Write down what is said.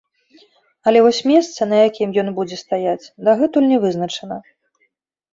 Але вось месца, на якім ён будзе стаяць, дагэтуль не вызначана.